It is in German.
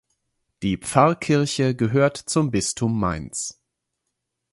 Die Pfarrkirche gehört zum Bistum Mainz.